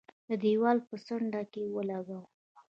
د دېوال په څنډه کې ولګاوه.